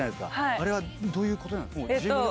あれはどういうことなんですか？